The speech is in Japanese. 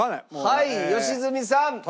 はい良純さん。